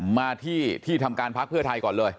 มาที่ที่ทำการพักเพื่อไทยก่อนเลย